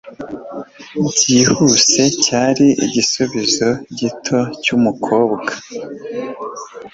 byihuse cyari igisubizo gito cyumukobwa